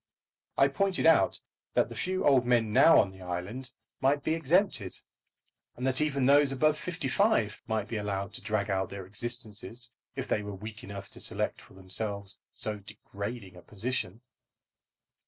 I pointed out that the few old men now on the island might be exempted, and that even those above fifty five might be allowed to drag out their existences if they were weak enough to select for themselves so degrading a position.